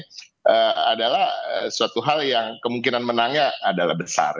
ini adalah suatu hal yang kemungkinan menangnya adalah besar